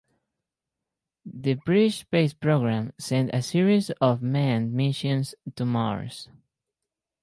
The British space programme sent a series of manned missions to Mars.